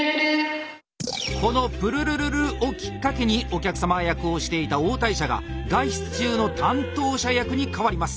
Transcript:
この「プルルルル」をきっかけにお客様役をしていた応対者が外出中の担当者役にかわります。